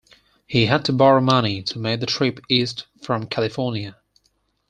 He had to borrow money to make the trip east from California.